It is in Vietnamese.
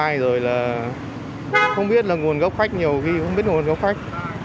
hôm nay rồi là không biết là nguồn gốc khách nhiều khi không biết nguồn gốc khách